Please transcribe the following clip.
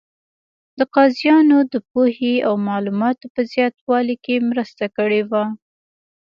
د قاضیانو د پوهې او معلوماتو په زیاتوالي کې مرسته کړې وه.